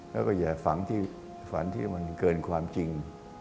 แล้วก็อย่าฝังที่ฝันที่มันเกินความจริง